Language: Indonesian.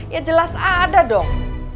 ya jelas ada dong